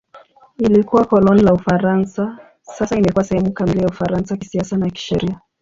Ilikuwa koloni la Ufaransa; sasa imekuwa sehemu kamili ya Ufaransa kisiasa na kisheria.